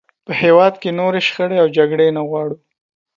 په هېواد کې نورې شخړې او جګړې نه غواړو.